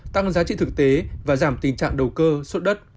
tăng giá trị thực tế và giảm tình trạng đầu cơ suốt đất